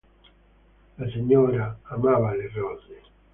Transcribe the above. La signora amava le rose